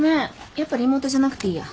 やっぱリモートじゃなくていいや。